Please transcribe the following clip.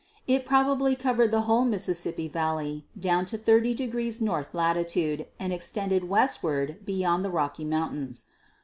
It prob ably covered the whole Mississippi valley down to 30 N. lat. and extended westward beyond the Rocky Mountains.